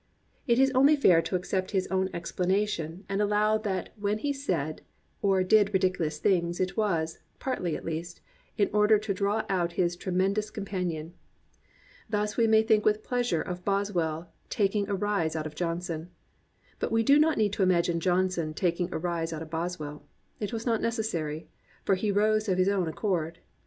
It is only fair to accept his own explanation and allow that when he said or did ridiculous things it was, partly at least, in order to draw out his Tremendous Com panion. Thus we may think with pleasure of Bos well taking a rise out of Johnson. But we do not need to imagine Johnson taking a rise out of Bos well; it was not necessary; he rose of his own ac cord.